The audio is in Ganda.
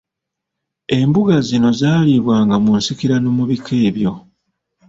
Embuga zino zaalibwanga mu nsikirano mu bika ebyo.